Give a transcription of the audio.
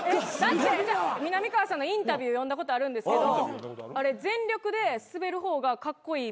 みなみかわさんのインタビュー読んだことあるんですけど全力でスベる方がカッコイイみたいなのを書いてて。